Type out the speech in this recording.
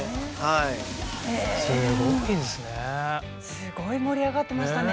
すごい盛り上がってましたね。